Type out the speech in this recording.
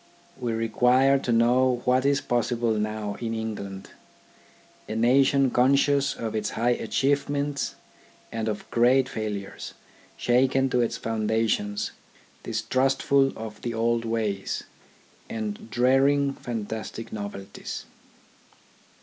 "We require to know what is possible now in England, a nation conscious of its high achieve ments, and of great failures, shaken to its founda tions, distrustful of the old ways, and dreading fantastic novelties.